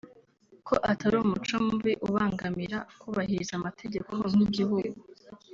ko atari umuco mubi ubangamira kubahiriza amategeko nk’igihugu